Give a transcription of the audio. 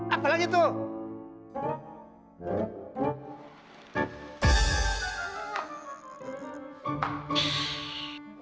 apa lagi tuh